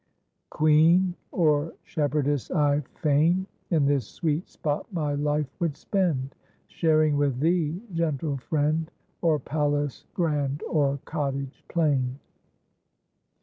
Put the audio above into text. [Queen or shepherdess, I fain In this sweet spot my life would spend, Sharing with thee, gentle friend, Or palace grand or cottage plain.